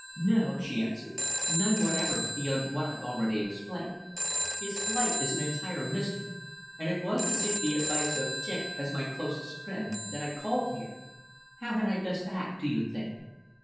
"No," she answered. "None whatever, beyond what I've already explained. His flight is an entire mystery, and it was to seek the advice of Dick, as my closest friend, that I called here. How had I best act, do you think?"